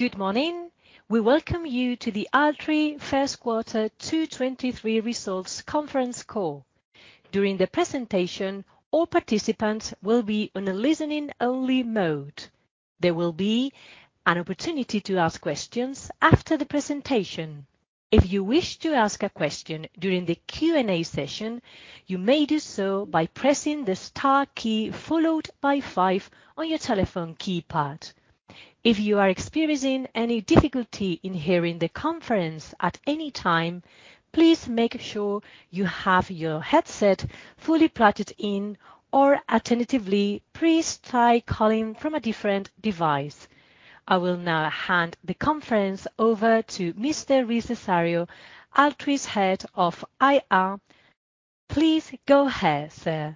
Good morning. We welcome you to the Altri First Quarter 2023 Results Conference Call. During the presentation, all participants will be on a listening only mode. There will be an opportunity to ask questions after the presentation. If you wish to ask a question during the Q&A session, you may do so by pressing the star key, followed by 5 on your telephone keypad. If you are experiencing any difficulty in hearing the conference at any time, please make sure you have your headset fully plugged in, or alternatively, please try calling from a different device. I will now hand the conference over to Mr. Rui Cesário, Altri's Head of IR. Please go ahead, sir.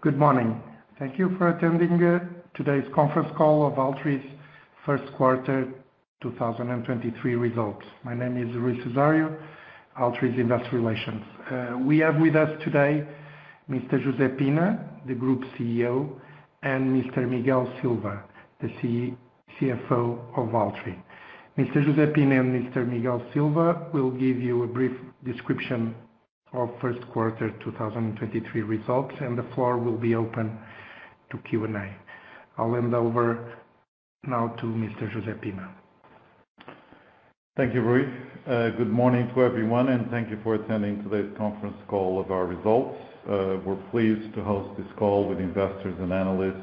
Good morning. Thank you for attending today's conference call of Altri's first quarter 2023 results. My name is Rui Cesário, Altri's Industry Relations. We have with us today Mr. José Pina, the Group CEO, and Mr. Miguel Silva, the CFO of Altri. Mr. José Pina and Mr. Miguel Silva will give you a brief description of first quarter 2023 results, and the floor will be open to Q&A. I'll hand over now to Mr. José Pina. Thank you, Rui. Good morning to everyone, thank you for attending today's conference call of our results. We're pleased to host this call with investors and analysts,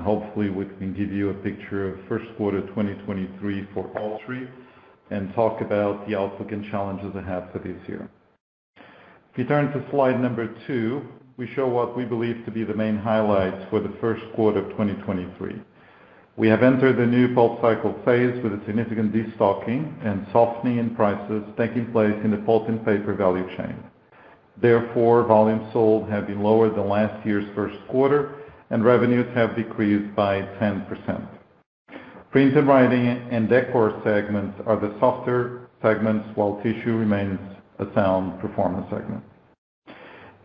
hopefully we can give you a picture of first quarter 2023 for Altri and talk about the outlook and challenges ahead for this year. If you turn to slide number 2, we show what we believe to be the main highlights for the first quarter of 2023. We have entered the new pulp cycle phase with a significant destocking and softening in prices taking place in the pulp and paper value chain. Therefore, volumes sold have been lower than last year's first quarter, revenues have decreased by 10%. Printing and Writing and Decor segments are the softer segments, while Tissue remains a sound performer segment.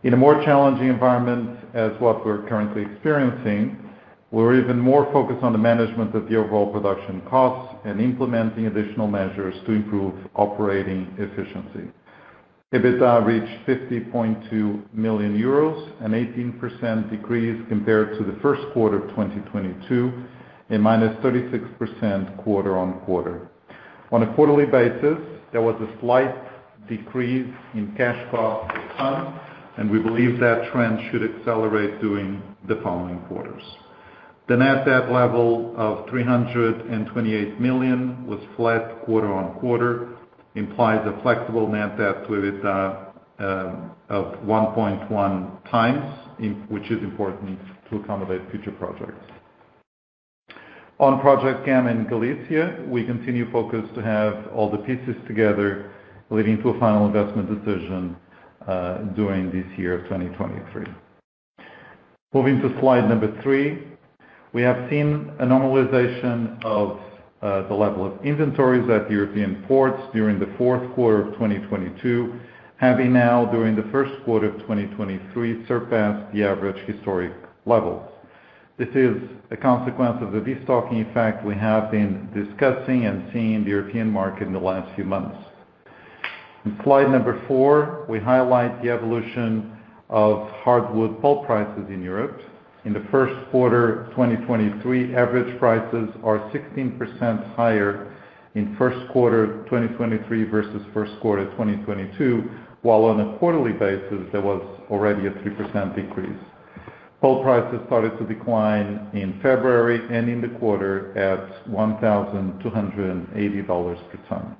In a more challenging environment as what we're currently experiencing, we're even more focused on the management of the overall production costs and implementing additional measures to improve operating efficiency. EBITDA reached 50.2 million euros, an 18% decrease compared to the first quarter of 2022, and -36% quarter-on-quarter. On a quarterly basis, there was a slight decrease in cash cost per ton, and we believe that trend should accelerate during the following quarters. The net debt level of 328 million was flat quarter-on-quarter, implies a flexible net debt to EBITDA of 1.1 times, which is important to accommodate future projects. On Project Gama in Galicia, we continue focused to have all the pieces together, leading to a final investment decision during this year of 2023. Moving to slide three, we have seen a normalization of the level of inventories at European ports during the fourth quarter of 2022, having now, during the first quarter of 2023, surpassed the average historic levels. This is a consequence of the destocking effect we have been discussing and seeing in the European market in the last few months. In slide four, we highlight the evolution of hardwood pulp prices in Europe. In the first quarter of 2023, average prices are 16% higher in first quarter 2023 versus first quarter 2022, while on a quarterly basis, there was already a 3% decrease. Pulp prices started to decline in February, ending the quarter at $1,280 per ton.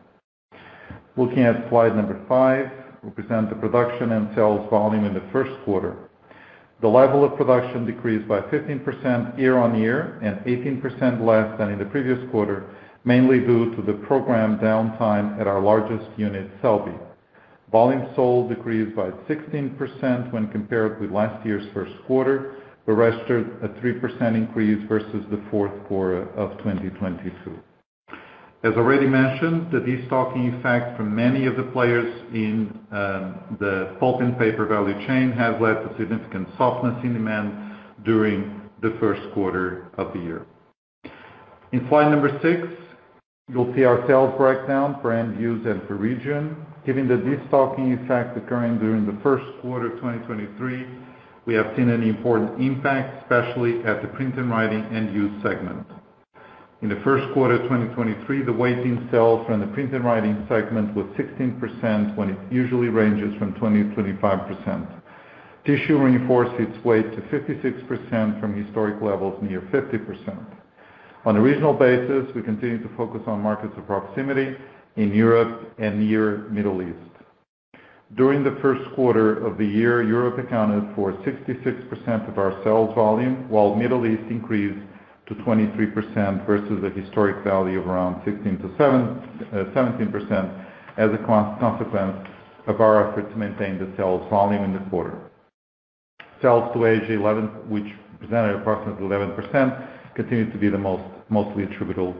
Looking at slide five, we present the production and sales volume in the first quarter. The level of production decreased by 15% year-on-year and 18% less than in the previous quarter, mainly due to the program downtime at our largest unit, Celbi. Volume sold decreased by 16% when compared with last year's first quarter, but registered a 3% increase versus the fourth quarter of 2022. As already mentioned, the destocking effect from many of the players in the pulp and paper value chain has led to significant softness in demand during the first quarter of the year. In slide number six you'll see our sales breakdown for end use and for region. Given the destocking effect occurring during the first quarter of 2023, we have seen an important impact, especially at the Printing and Writing end use segment. In the first quarter of 2023, the weighting sales from the Printing and Writing segment was 16%, when it usually ranges from 20%-25%. Tissue reinforced its weight to 56% from historic levels, near 50%. On a regional basis, we continue to focus on markets of proximity in Europe and near Middle East. During the first quarter of the year, Europe accounted for 66% of our sales volume, while Middle East increased to 23% versus the historic value of around 16%-17%, as a consequence of our effort to maintain the sales volume in this quarter. Sales to Asia, which presented approximately 11%, continued to be mostly attributed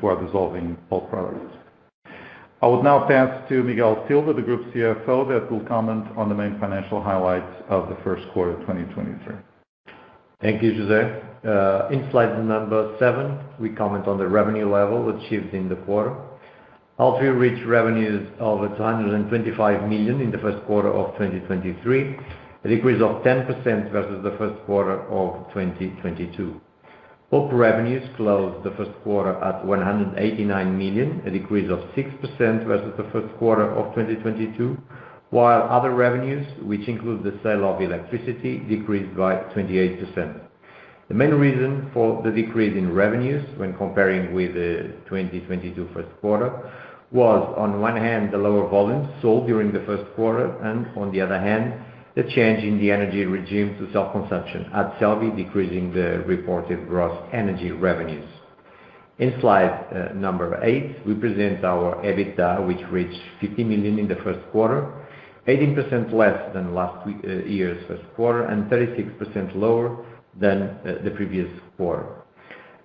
to our dissolving pulp products.I will now pass to Miguel Silva, the Group CFO, that will comment on the main financial highlights of the first quarter, 2023. Thank you, José. In slide number seven, we comment on the revenue level achieved in the quarter. Altri reached revenues of 125 million in the first quarter of 2023, a decrease of 10% versus the first quarter of 2022. Pulp revenues closed the first quarter at 189 million, a decrease of 6% versus the first quarter of 2022, while other revenues, which include the sale of electricity, decreased by 28%. The main reason for the decrease in revenues when comparing with the 2022 first quarter, was, on one hand, the lower volumes sold during the first quarter, and on the other hand, the change in the energy regime to self-consumption at Celbi, decreasing the reported gross energy revenues. In slide number eight, we present our EBITDA, which reached 50 million in the first quarter, 18% less than last year's first quarter, and 36% lower than the previous quarter.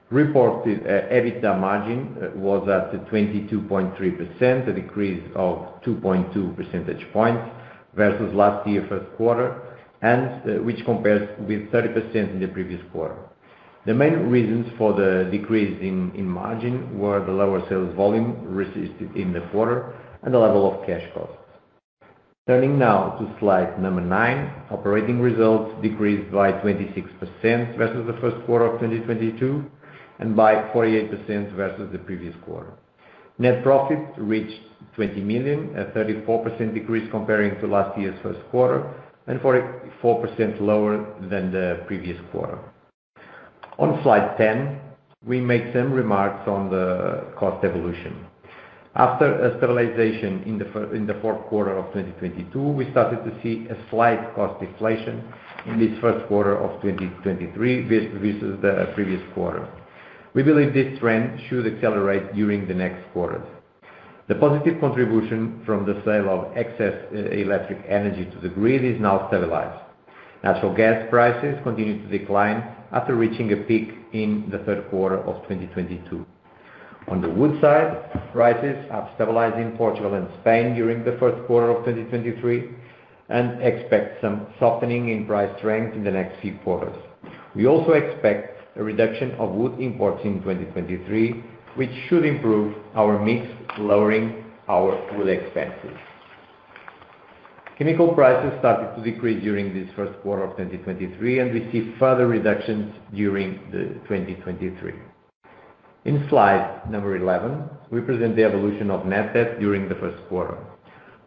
Reported EBITDA margin was at 22.3%, a decrease of 2.2 percentage points versus last year's first quarter, which compares with 30% in the previous quarter. The main reasons for the decrease in margin were the lower sales volume resisted in the quarter and the level of cash costs. Turning now to slide number nine. Operating results decreased by 26% versus the first quarter of 2022, and by 48% versus the previous quarter. Net profit reached 20 million, a 34% decrease comparing to last year's first quarter, and 44% lower than the previous quarter. On slide 10, we make some remarks on the cost evolution. After a stabilization in the fourth quarter of 2022, we started to see a slight cost deflation in this first quarter of 2023 versus the previous quarter. We believe this trend should accelerate during the next quarters. The positive contribution from the sale of excess electric energy to the grid is now stabilized. Natural gas prices continue to decline after reaching a peak in the third quarter of 2022. On the wood side, prices have stabilized in Portugal and Spain during the first quarter of 2023, and expect some softening in price trends in the next few quarters. We also expect a reduction of wood imports in 2023, which should improve our mix, lowering our wood expenses. Chemical prices started to decrease during this first quarter of 2023. We see further reductions during 2023. In slide number 11, we present the evolution of net debt during the first quarter.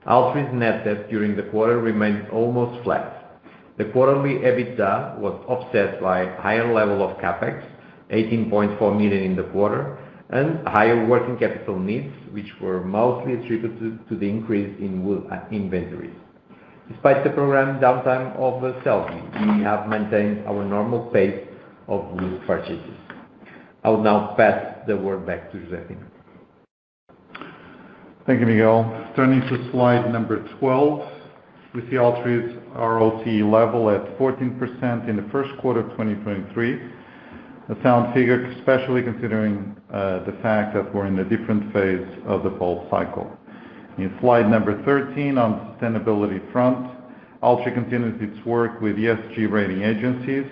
Altri's net debt during the quarter remained almost flat. The quarterly EBITDA was offset by higher level of CapEx, 18.4 million in the quarter, and higher working capital needs, which were mostly attributed to the increase in wood inventories. Despite the program downtime of the Celbi, we have maintained our normal pace of wood purchases. I will now pass the word back to José. Thank you, Miguel. Turning to slide 12, we see Altri's ROCE level at 14% in the first quarter of 2023. A sound figure, especially considering the fact that we're in a different phase of the pulp cycle. In slide 13, on sustainability front, Altri continues its work with ESG rating agencies.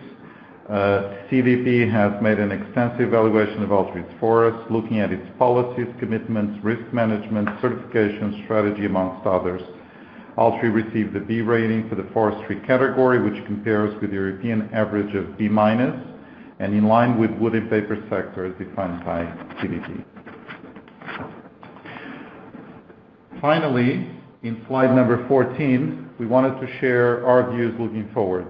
CDP has made an extensive evaluation of Altri's forests, looking at its policies, commitments, risk management, certification, strategy, amongst others. Altri received a B rating for the forestry category, which compares with the European average of B-minus, and in line with wood and paper sector, as defined by CDP. Finally, in slide 14, we wanted to share our views looking forward.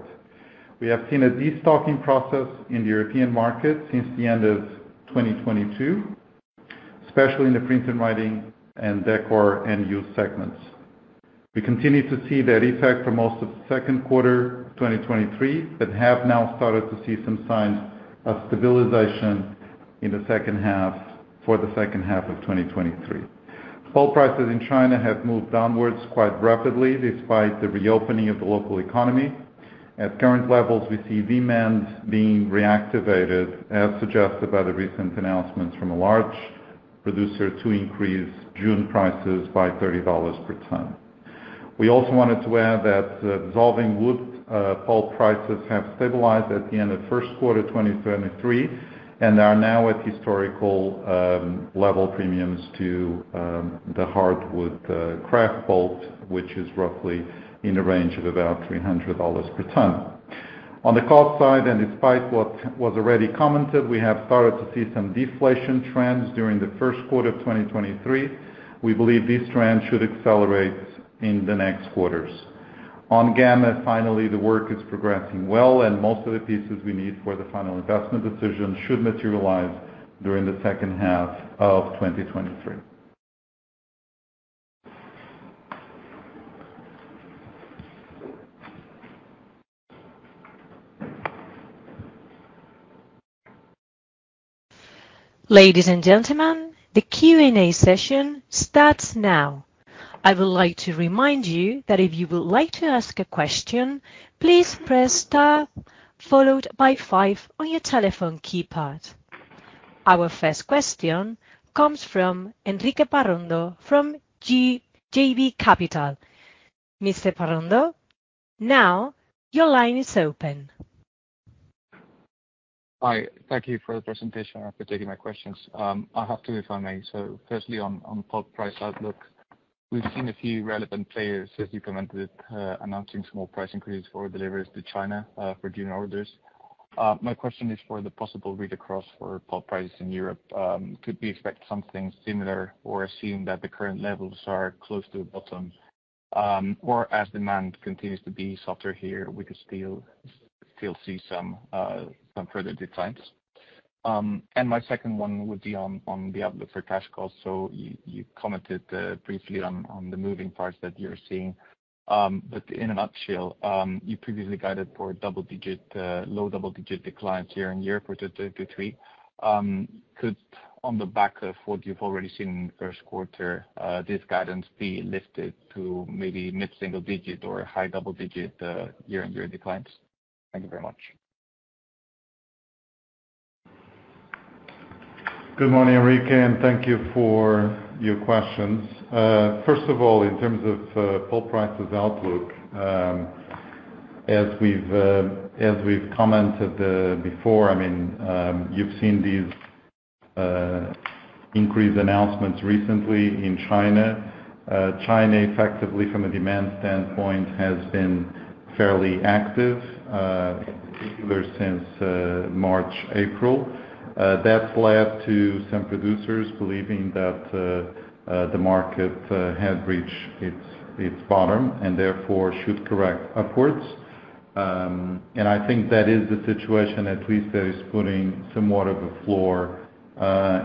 We have seen a destocking process in the European market since the end of 2022, especially in the Printing and Writing and Decor end-use segments. We continue to see that effect for most of the second quarter of 2023, have now started to see some signs of stabilization for the second half of 2023. Pulp prices in China have moved downwards quite rapidly despite the reopening of the local economy. At current levels, we see demand being reactivated, as suggested by the recent announcements from a large producer to increase June prices by $30 per ton. We also wanted to add that dissolving wood pulp prices have stabilized at the end of first quarter 2023, and are now at historical level premiums to the hardwood kraft pulp, which is roughly in a range of about $300 per ton. On the cost side, and despite what was already commented, we have started to see some deflation trends during the 1st quarter of 2023. We believe this trend should accelerate in the next quarters. On Gama, finally, the work is progressing well, and most of the pieces we need for the final investment decision should materialize during the 2nd half of 2023. Ladies and gentlemen, the Q&A session starts now. I would like to remind you that if you would like to ask a question, "please press star followed by five" on your telephone keypad. Our first question comes from Enrique Parrondo from JB Capital. Mr. Parrondo, now your line is open. Hi, thank you for the presentation and for taking my questions. I have two, if I may. Firstly, on pulp price outlook, we've seen a few relevant players, as you commented, announcing small price increases for deliveries to China, for June orders. My question is for the possible read across for pulp prices in Europe, could we expect something similar or assume that the current levels are close to the bottom, or as demand continues to be softer here, we could still see some further declines? My second one would be on the outlook for cash costs. You commented briefly on the moving parts that you're seeing. In a nutshell, you previously guided for double-digit, low double-digit declines year-on-year for 2023. Could, on the back of what you've already seen in first quarter, this guidance be lifted to maybe mid-single-digit or high double-digit, year-over-year declines? Thank you very much. Good morning, Enrique. Thank you for your questions. First of all, in terms of pulp prices outlook, as we've commented before, you've seen these increase announcements recently in China. China, effectively from a demand standpoint, has been fairly active, in particular since March, April. That's led to some producers believing that the market has reached its bottom and therefore should correct upwards. I think that is the situation at least that is putting somewhat of a floor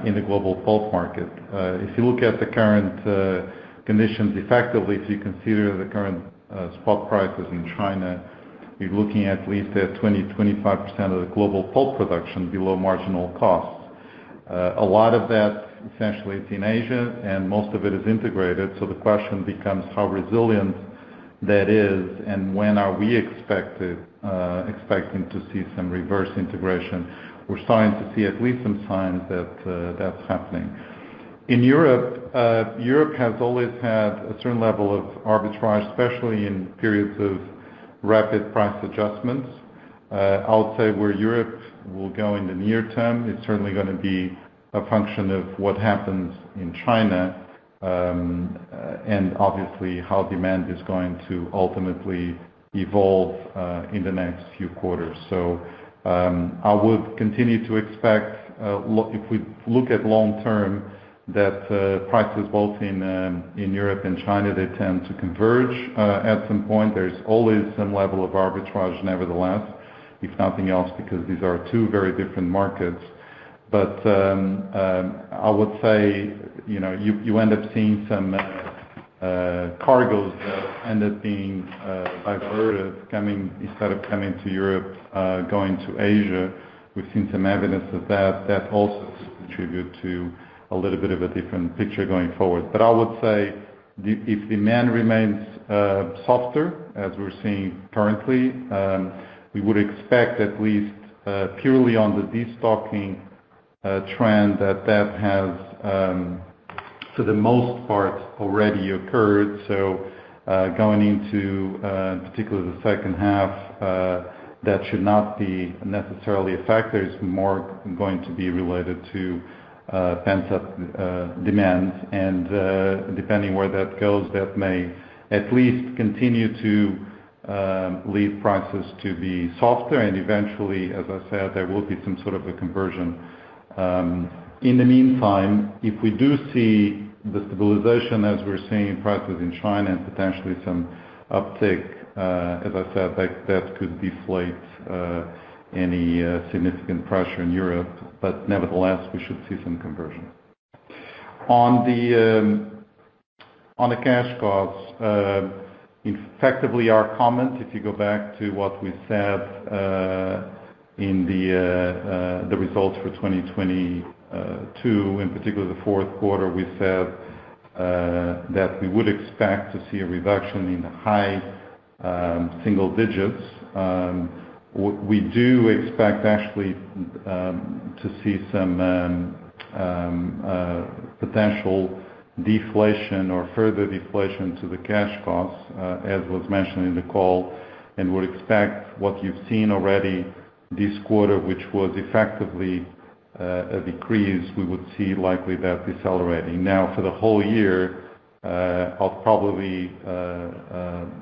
in the global pulp market. If you look at the current conditions effectively, if you consider the current spot prices in China, we're looking at least at 20%-25% of the global pulp production below marginal costs. A lot of that essentially is in Asia, and most of it is integrated, so the question becomes how resilient that is and when are we expecting to see some reverse integration. We're starting to see at least some signs that that's happening. In Europe has always had a certain level of arbitrage, especially in periods of rapid price adjustments. I'll say where Europe will go in the near term, it's certainly gonna be a function of what happens in China, and obviously how demand is going to ultimately evolve in the next few quarters. I would continue to expect, if we look at long term, that prices both in Europe and China, they tend to converge at some point. There's always some level of arbitrage, nevertheless, if nothing else, because these are two very different markets. I would say, you know, you end up seeing some cargoes that end up being diverted, coming, instead of coming to Europe, going to Asia. We've seen some evidence of that. That also contribute to a little bit of a different picture going forward. I would say if demand remains softer, as we're seeing currently, we would expect at least purely on the destocking trend, that has for the most part, already occurred. Going into particularly the second half, that should not be necessarily a factor. It's more going to be related to pent-up demand, and depending where that goes, that may at least continue to lead prices to be softer. Eventually, as I said, there will be some sort of a conversion. In the meantime, if we do see the stabilization as we're seeing in prices in China and potentially some uptick, as I said, that could deflate any significant pressure in Europe. Nevertheless, we should see some conversion. On the cash costs, effectively our comment, if you go back to what we said in the results for 2022, in particular the fourth quarter, we said that we would expect to see a reduction in the high single digits. What we do expect actually, to see some potential deflation or further deflation to the cash costs, as was mentioned in the call, and would expect what you've seen already this quarter, which was effectively, a decrease, we would see likely that decelerating. For the whole year, I'll probably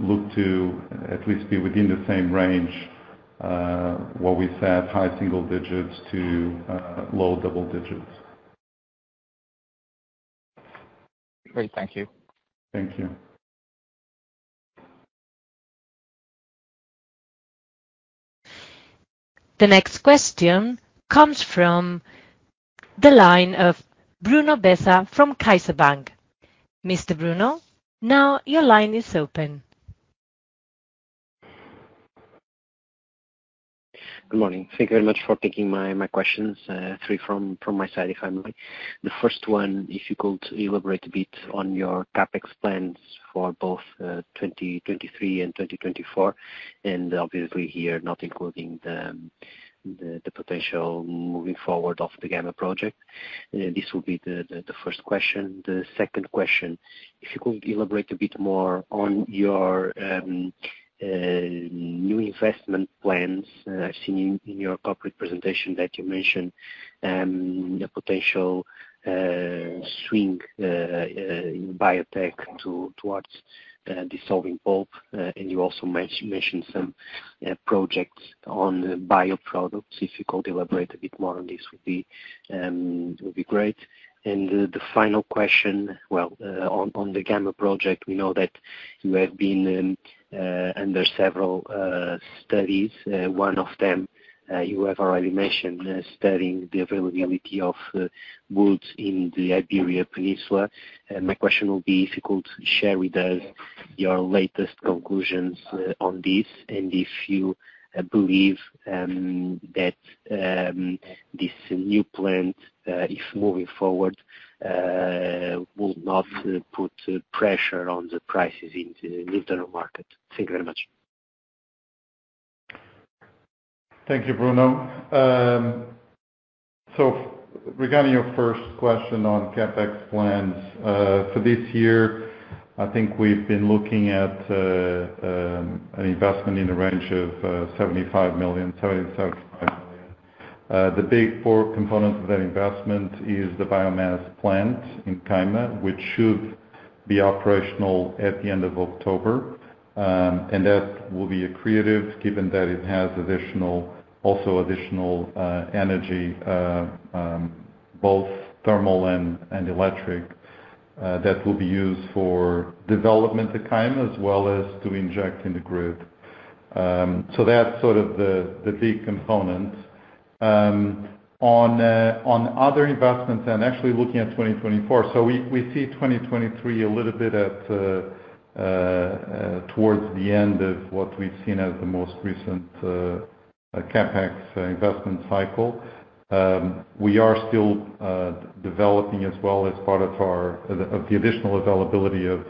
look to at least be within the same range, what we said, high single digits to low double digits. Great. Thank you. Thank you. The next question comes from the line of Bruno Besa from CaixaBank. Mr. Bruno, now your line is open. Good morning. Thank you very much for taking my questions, three from my side, if I may. The first one, if you could elaborate a bit on your CapEx plans for both 2023 and 2024, and obviously here, not including the potential moving forward of the Gama project. This will be the first question. The second question, if you could elaborate a bit more on your new investment plans. I've seen in your corporate presentation that you mentioned the potential swing in Biotek towards dissolving pulp. And you also mentioned some projects on bio products. If you could elaborate a bit more on this, would be great. The final question, well, on the Gama project, we know that you have been under several studies. One of them, you have already mentioned studying the availability of woods in the Iberian Peninsula. My question would be if you could share with us your latest conclusions on this, and if you believe that this new plant, if moving forward, will not put pressure on the prices into the internal market. Thank you very much. Thank you, Bruno. Regarding your first question on CapEx plans for this year, I think we've been looking at an investment in the range of 75 million-77.5 million. The big four components of that investment is the biomass plant in Caima, which should be operational at the end of October. That will be accretive, given that it has additional, also additional energy, both thermal and electric, that will be used for development to Caima, as well as to inject in the grid. That's sort of the big component. On other investments and actually looking at 2024, we see 2023 a little bit at towards the end of what we've seen as the most recent CapEx investment cycle. We are still developing as well as part of the additional availability of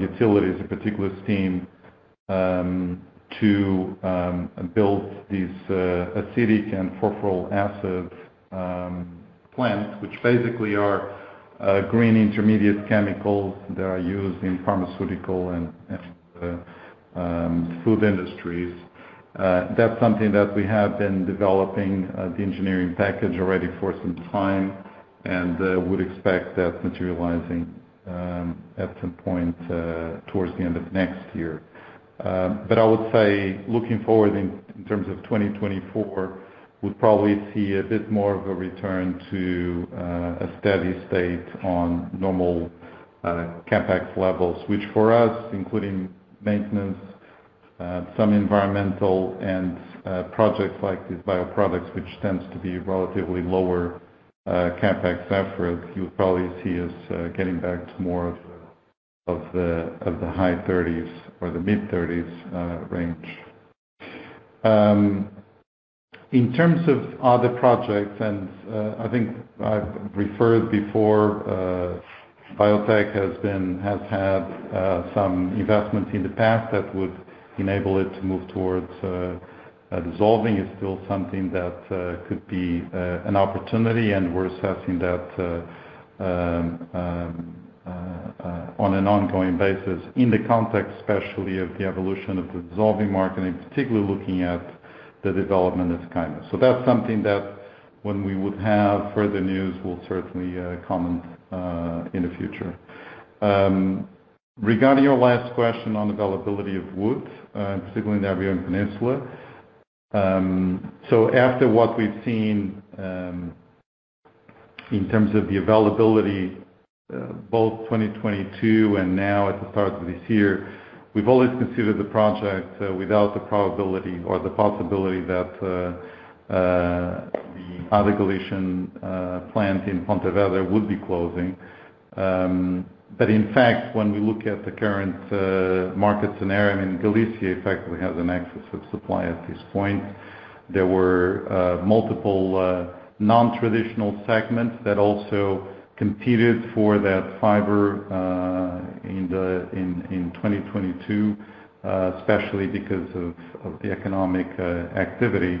utilities, in particular steam, to build these acetic acid and furfural plants, which basically are green intermediate chemicals that are used in pharmaceutical and food industries. That's something that we have been developing the engineering package already for some time, and would expect that materializing at some point towards the end of next year. I would say, looking forward in terms of 2024, we'll probably see a bit more of a return to a steady state on normal CapEx levels, which for us, including maintenance, some environmental and projects like these bioproducts, which tends to be relatively lower CapEx effort, you'll probably see us getting back to more of the, of the high 30s or the mid-30s range. In terms of other projects, I think I've referred before, Biotek has had some investments in the past that would enable it to move towards dissolving. It's still something that could be an opportunity, and we're assessing that on an ongoing basis in the context, especially of the evolution of the dissolving market, and particularly looking at the development of Caima. That's something that when we would have further news, we'll certainly comment in the future. Regarding your last question on availability of wood, specifically in the Iberian Peninsula. After what we've seen in terms of the availability, both 2022 and now at the start of this year, we've always considered the project without the probability or the possibility that the other coalition plant in Pontevedra would be closing. In fact, when we look at the current market scenario, Galicia effectively has an excess of supply at this point. There were multiple non-traditional segments that also competed for that fiber in 2022, especially because of the economic activity.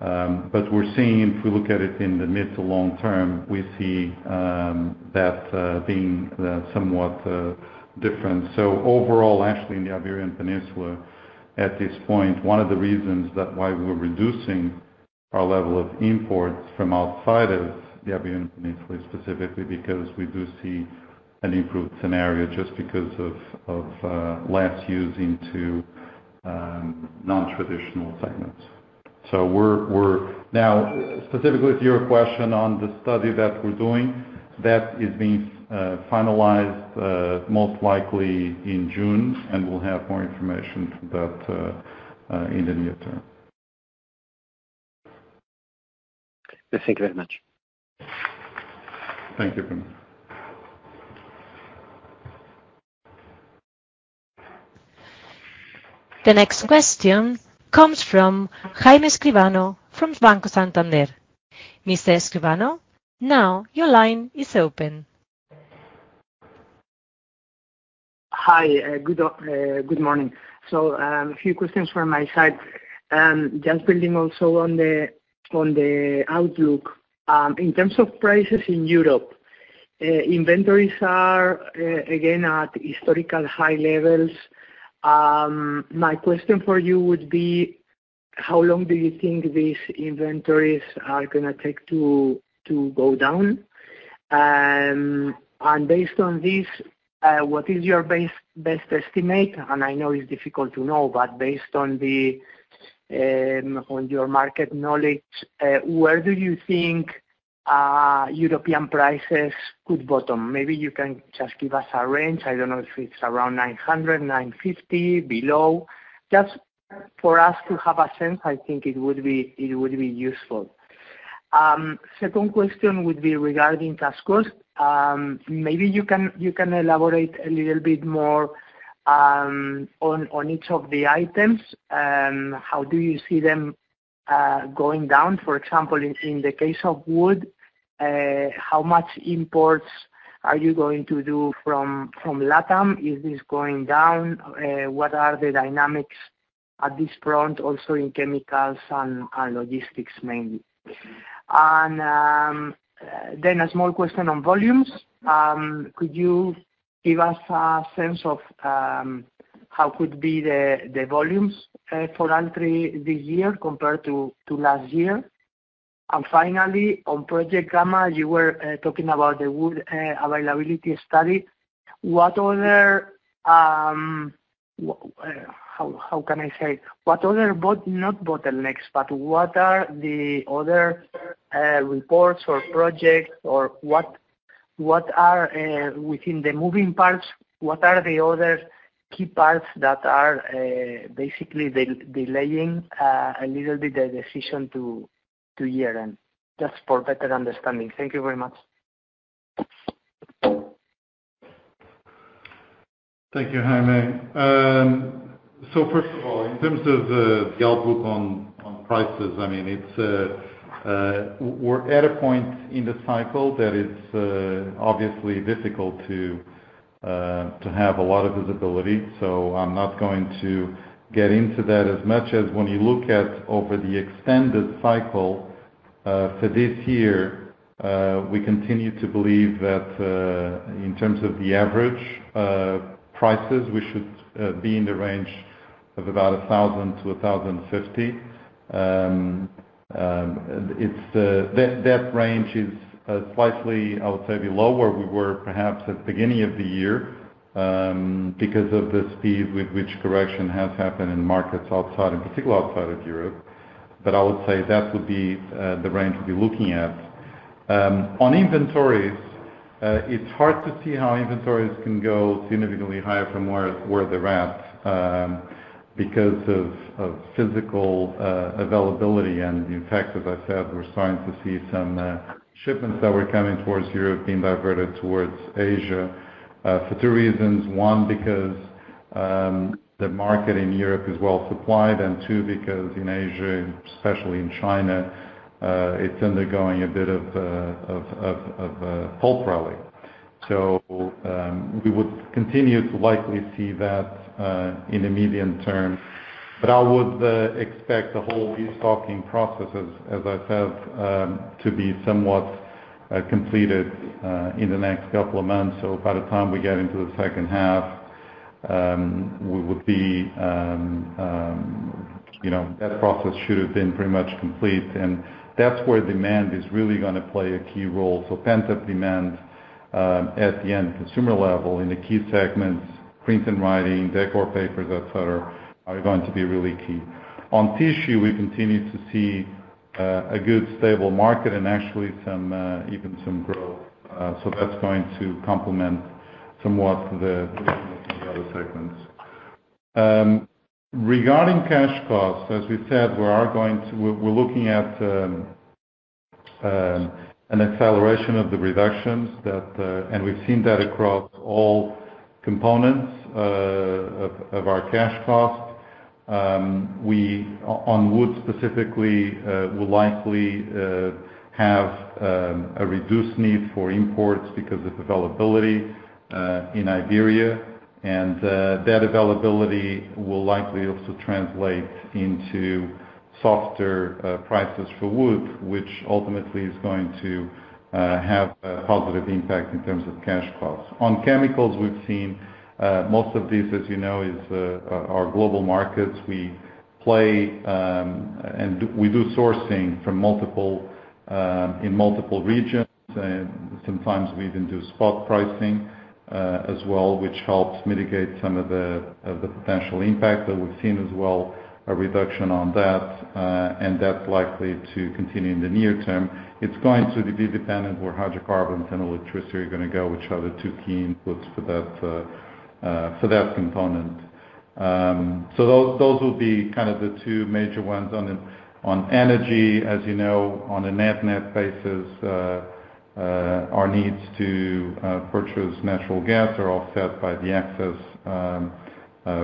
We're seeing, if we look at it in the mid to long term, we see that being somewhat different. Overall, actually, in the Iberian Peninsula, at this point, one of the reasons that why we're reducing our level of imports from outside of the Iberian Peninsula, specifically because we do see an improved scenario just because of less using to non-traditional segments. We're... Now, specifically to your question on the study that we're doing, that is being finalized most likely in June, and we'll have more information for that in the near term. Thank you very much. Thank you, Bruno. The next question comes from Jaime Escribano from Banco Santander. Mr. Escribano, now your line is open. Hi, good morning. A few questions from my side. Just building also on the outlook. In terms of prices in Europe, inventories are again at historical high levels. My question for you would be: How long do you think these inventories are going to take to go down? Based on this, what is your best estimate, and I know it's difficult to know, but based on your market knowledge, where do you think European prices could bottom? Maybe you can just give us a range. I don't know if it's around 900, 950, below. Just for us to have a sense, I think it would be useful. Second question would be regarding cash costs. Maybe you can elaborate a little bit more on each of the items. How do you see them going down? For example, in the case of wood, how much imports are you going to do from LATAM? Is this going down? What are the dynamics at this front, also in chemicals and logistics, mainly? Then a small question on volumes. Could you give us a sense of how could be the volumes for Altri this year compared to last year? Finally, on Project Gama, you were talking about the wood availability study. What other. How can I say? What other not bottlenecks, but what are the other reports or projects, or what are within the moving parts, what are the other key parts that are basically delaying a little bit the decision to year-end? Just for better understanding. Thank you very much. Thank you, Jaime. First of all, in terms of the outlook on prices, I mean, it's we're at a point in the cycle that it's obviously difficult to have a lot of visibility. I'm not going to get into that as much as when you look at over the extended cycle, for this year, we continue to believe that in terms of the average prices, we should be in the range of about 1,000-1,050. That range is slightly, I would say, below where we were perhaps at the beginning of the year, because of the speed with which correction has happened in markets outside, in particular, outside of Europe. I would say that would be the range we'd be looking at. On inventories, it's hard to see how inventories can go significantly higher from where they're at, because of physical availability. In fact, as I said, we're starting to see some shipments that were coming towards Europe being diverted towards Asia for two reasons. One, because the market in Europe is well supplied, and two, because in Asia, especially in China, it's undergoing a bit of a pulp rally. We would continue to likely see that in the medium term. I would expect the whole restocking processes, as I said, to be somewhat completed in the next couple of months. By the time we get into the second half, we would be, you know, that process should have been pretty much complete, and that's where demand is really going to play a key role. Pent-up demand at the end consumer level in the key segments, Printing and Writing, Decor papers, et cetera, are going to be really key. On Tissue, we continue to see a good, stable market and actually some even some growth. That's going to complement somewhat the other segments. Regarding cash costs, as we've said, we're looking at an acceleration of the reductions that. We've seen that across all components of our cash costs. We, on wood specifically, will likely have a reduced need for imports because of availability in Iberia. That availability will likely also translate into softer prices for wood, which ultimately is going to have a positive impact in terms of cash costs. On chemicals, we've seen, most of these, as you know, is are global markets. We play, we do sourcing from multiple in multiple regions, and sometimes we even do spot pricing as well, which helps mitigate some of the potential impact. We've seen as well a reduction on that, and that's likely to continue in the near term. It's going to be dependent where hydrocarbons and electricity are gonna go, which are the two key inputs for that for that component. Those will be kind of the two major ones. On energy, as you know, on a net-net basis, our needs to purchase natural gas are offset by the excess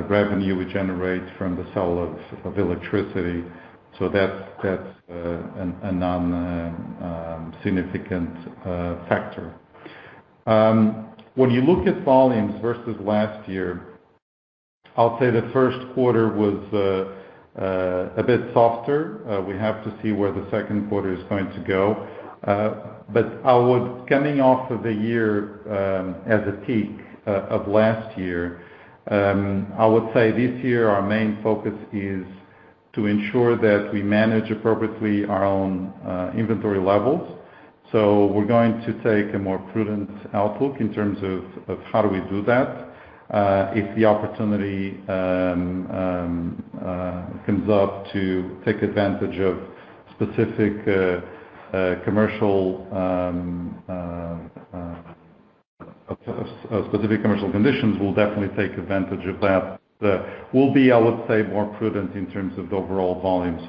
revenue we generate from the sale of electricity. That's a non significant factor. When you look at volumes versus last year, I'll say the 1st quarter was a bit softer. We have to see where the 2nd quarter is going to go. Coming off of the year as a peak of last year, I would say this year, our main focus is to ensure that we manage appropriately our own inventory levels. We're going to take a more prudent outlook in terms of how do we do that. If the opportunity comes up to take advantage of specific commercial conditions, we'll definitely take advantage of that. We'll be, I would say, more prudent in terms of the overall volume.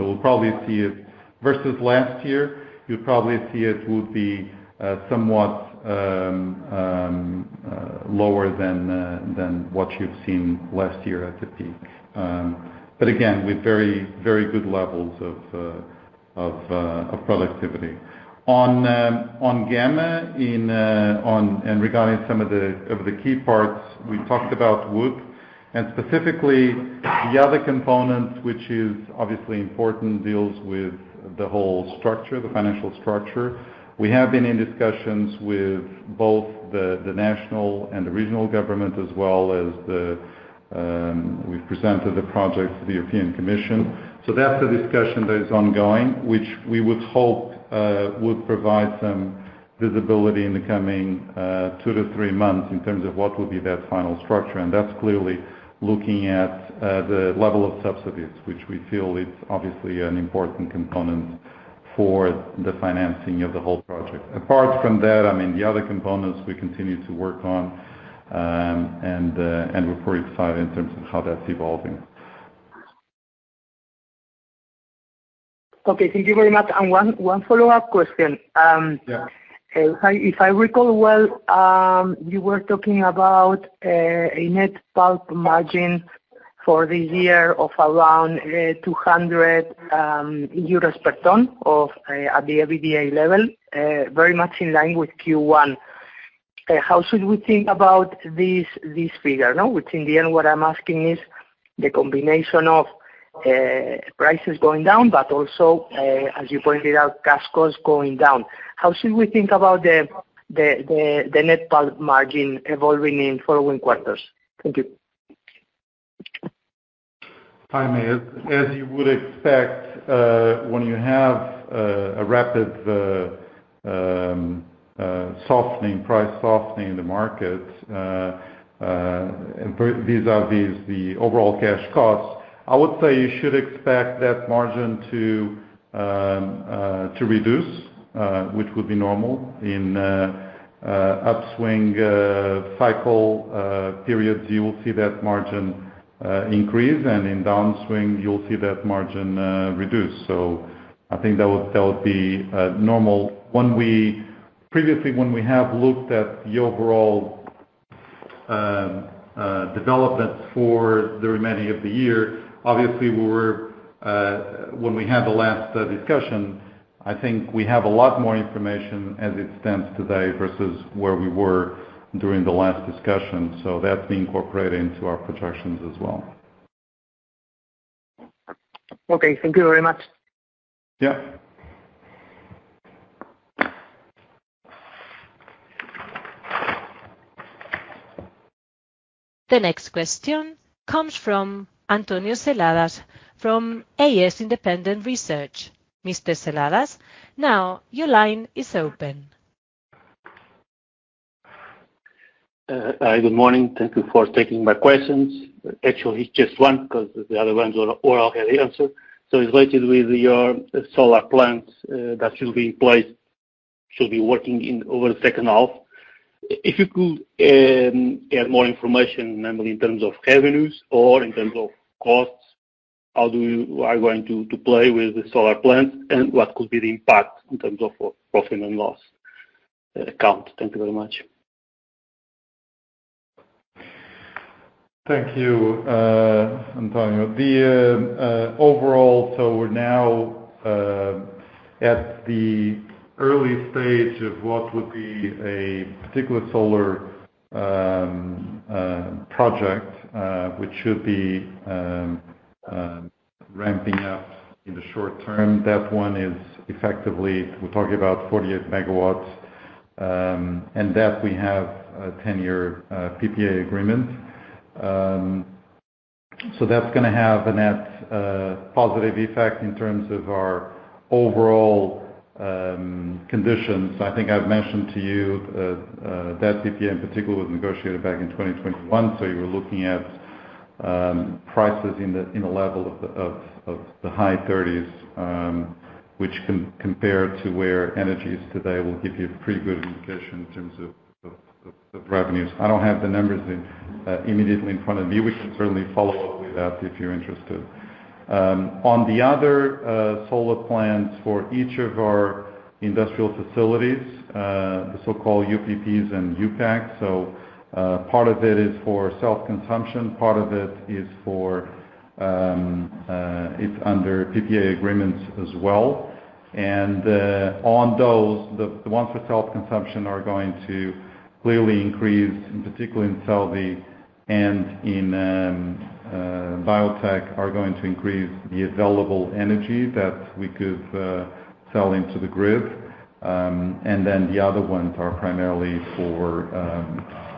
Versus last year, you'll probably see it would be somewhat lower than what you've seen last year at the peak. Again, with very, very good levels of productivity. On Gama, regarding some of the key parts, we talked about wood, and specifically, the other component, which is obviously important, deals with the whole structure, the financial structure. We have been in discussions with both the national and the regional government, as well as we've presented the project to the European Commission. That's a discussion that is ongoing, which we would hope would provide some visibility in the coming 2-3 months in terms of what would be that final structure. That's clearly looking at the level of subsidies, which we feel it's obviously an important component for the financing of the whole project. Apart from that, I mean, the other components we continue to work on, and we're pretty excited in terms of how that's evolving. Okay, thank you very much. One follow-up question. If I recall well, you were talking about a net pulp margin for this year of around 200 euros per ton at the EBITDA level, very much in line with Q1. How should we think about this figure, no? Which in the end, what I'm asking is the combination of prices going down, but also, as you pointed out, cash costs going down. How should we think about the net pulp margin evolving in following quarters? Thank you. Hi, Mia. As you would expect, when you have a rapid price softening in the market, and for vis-a-vis the overall cash costs, I would say you should expect that margin to reduce, which would be normal. In an upswing cycle periods, you will see that margin increase, and in downswing, you'll see that margin reduce. I think that would be normal. Previously, when we have looked at the overall development for the remaining of the year, obviously we were when we had the last discussion, I think we have a lot more information as it stands today versus where we were during the last discussion. That's being incorporated into our projections as well. Okay, thank you very much The next question comes from António Seladas, from AS Independent Research. Mr. Seladas, now your line is open. Good morning. Thank you for taking my questions. Actually, it's just one, because the other ones were already answered. It's related with your solar plants, that should be in place, should be working in over the second half. If you could add more information, namely in terms of revenues or in terms of costs, how are you going to play with the solar plants? What could be the impact in terms of profit and loss, count? Thank you very much. Thank you, António. The overall, so we're now at the early stage of what would be a particular solar project, which should be ramping up in the short term. That one is effectively, we're talking about 48 MW, and that we have a 10-year PPA agreement. That's gonna have a net positive effect in terms of our overall conditions. I think I've mentioned to you that PPA in particular was negotiated back in 2021, so you're looking at prices in the level of the high 30s, which compared to where energy is today, will give you a pretty good indication in terms of revenues. I don't have the numbers immediately in front of me. We can certainly follow up with that if you're interested. On the other solar plants for each of our industrial facilities, the so-called UPPs and UPAC. Part of it is for self-consumption, part of it is for, it's under PPA agreements as well. On those, the ones for self-consumption are going to clearly increase, in particular in Celbi and in Biotek, the available energy that we could sell into the grid. The other ones are primarily for,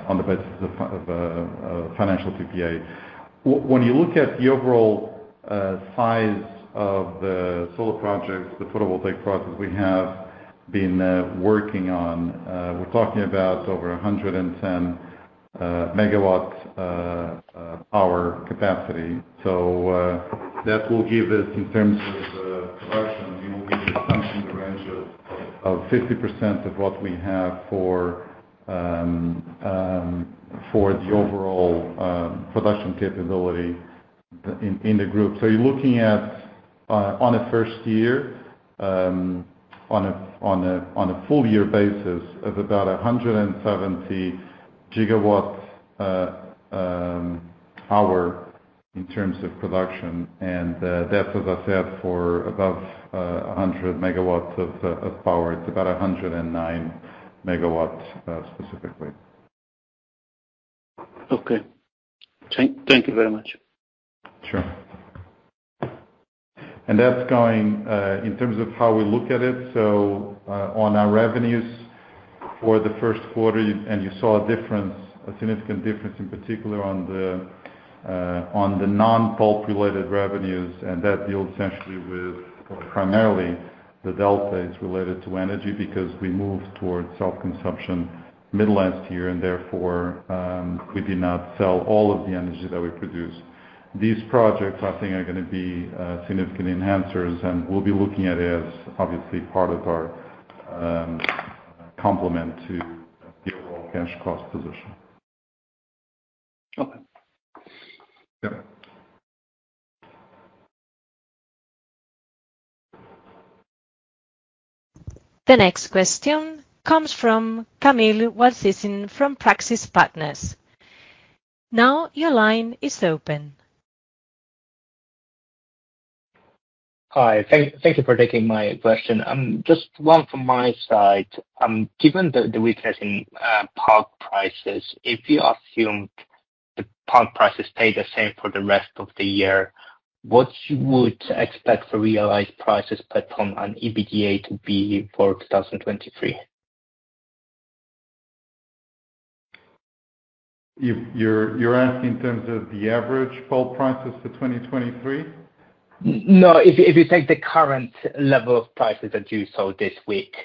on the basis of financial PPA. When you look at the overall size of the solar projects, the photovoltaic projects we have been working on, we're talking about over 110 MW power capacity. That will give us in terms of the production, we will be something in the range of 50% of what we have for the overall production capability in the group. You're looking at on a first year on a full year basis, of about 170 GW power in terms of production. That as I said, for above 100 MW of power, it's about 109 MW specifically. Okay. Thank you very much. Sure. That's going in terms of how we look at it. On our revenues for the first quarter, and you saw a difference, a significant difference, in particular on the non-pulp related revenues, and that deals essentially with primarily the delta is related to energy, because we moved towards self-consumption mid-last year, and therefore, we did not sell all of the energy that we produced. These projects, I think, are gonna be significant enhancers, and we'll be looking at it as obviously part of our complement to the overall cash cost position. Okay. The next question comes from Kamil Waliszewski from Praxis Partners. Now, your line is open. Hi, thank you for taking my question. Just one from my side. Given the weakness in pulp prices, if you assume the pulp prices stay the same for the rest of the year, what you would expect for realized prices, but from an EBITDA to be for 2023? You're asking in terms of the average pulp prices for 2023? no, if you take the current level of prices that you saw this week,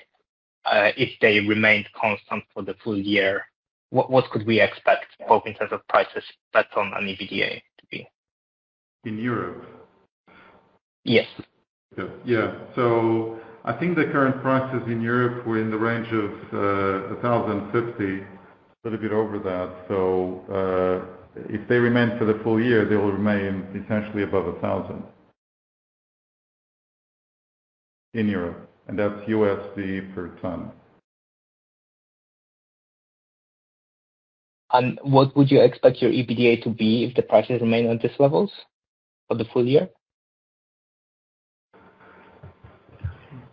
if they remained constant for the full year, what could we expect both in terms of prices, but on an EBITDA to be? In Europe? Yes. Yeah. Yeah. I think the current prices in Europe were in the range of $1,050, a little bit over that. If they remain for the full year, they will remain essentially above $1,000. In Europe, and that's USD per ton. What would you expect your EBITDA to be if the prices remain on this levels for the full year?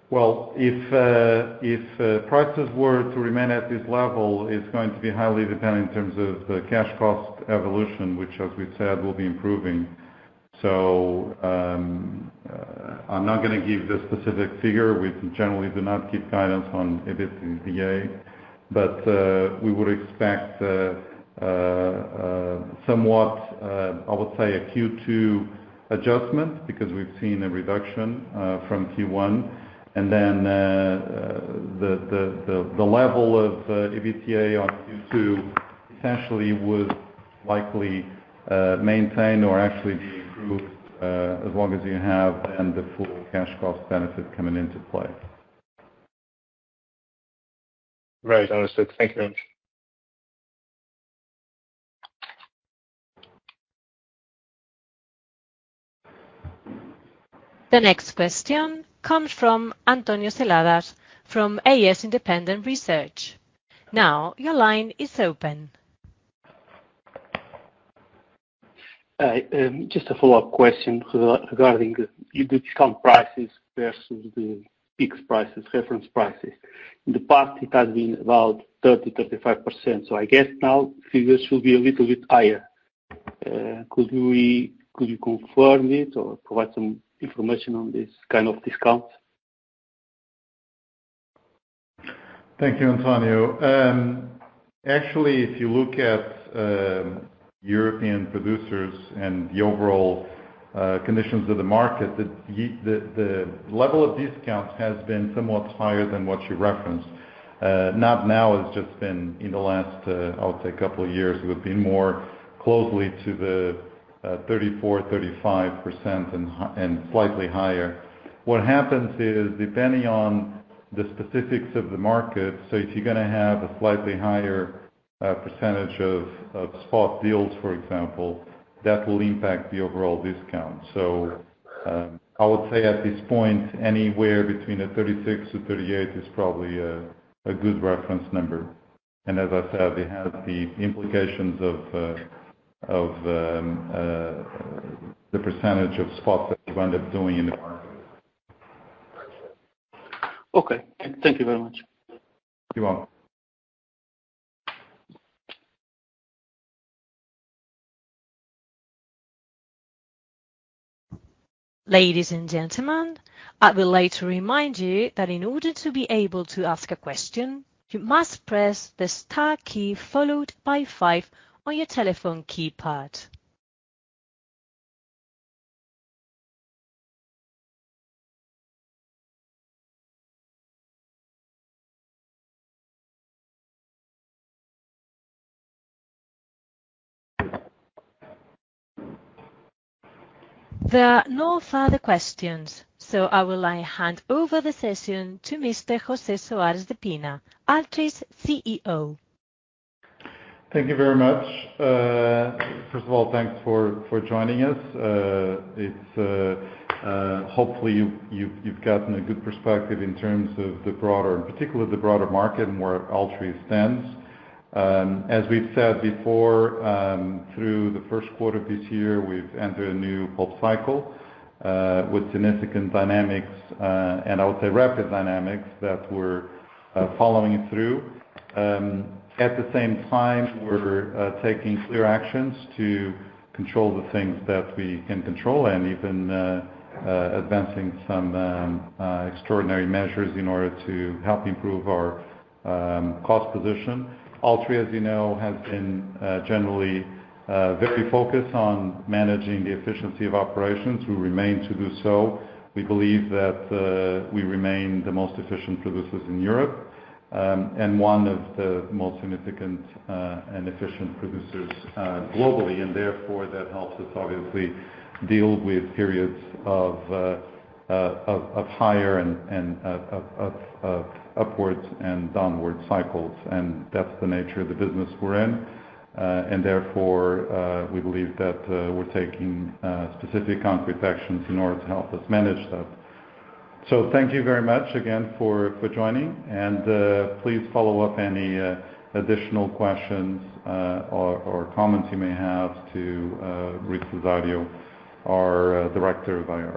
Well, if prices were to remain at this level, it's going to be highly dependent in terms of the cash cost evolution, which, as we've said, will be improving. I'm not gonna give the specific figure. We generally do not give guidance on EBIT and EBITDA, but we would expect somewhat, I would say a Q2 adjustment, because we've seen a reduction from Q1. The level of EBITDA on Q2 essentially would likely maintain or actually be improved as long as you have then the full cash cost benefit coming into play. Right. Understood. Thank you very much. The next question comes from António Seladas from AS Independent Research. Your line is open. Hi, just a follow-up question regarding the discount prices versus the fixed prices, reference prices. In the past, it has been about 30%-35%. I guess now figures should be a little bit higher. Could you confirm it or provide some information on this kind of discount? Thank you, Antonio. Actually, if you look at European producers and the overall conditions of the market, the level of discount has been somewhat higher than what you referenced. Not now, it's just been in the last, I'll say couple of years, would be more closely to the 34%-35%, and slightly higher. What happens is, depending on the specifics of the market, if you're gonna have a slightly higher percentage of spot deals, for example, that will impact the overall discount. I would say at this point, anywhere between a 36%-38% is probably a good reference number. As I said, they have the implications of the percentage of spots that you end up doing in the market. Okay. Thank you very much. You're welcome. Ladies and gentlemen, I would like to remind you that in order to be able to ask a question, you must press the star key, followed by 5 on your telephone keypad. There are no further questions, I will now hand over the session to Mr. José Soares de Pina, Altri's CEO. Thank you very much. First of all, thanks for joining us. It's hopefully you've gotten a good perspective in terms of the broader particularly the broader market and where Altri stands. As we've said before, through the first quarter of this year, we've entered a new pulp cycle, with significant dynamics, and I would say rapid dynamics that we're following through. At the same time, we're taking clear actions to control the things that we can control and even advancing some extraordinary measures in order to help improve our cost position. Altri, as you know, has been generally very focused on managing the efficiency of operations. We remain to do so. We believe that we remain the most efficient producers in Europe, and one of the most significant and efficient producers globally. Therefore, that helps us obviously deal with periods of higher and upwards and downward cycles, and that's the nature of the business we're in. Therefore, we believe that we're taking specific concrete actions in order to help us manage that. Thank you very much again for joining, and please follow up any additional questions or comments you may have to Ricardo, our Director of IR.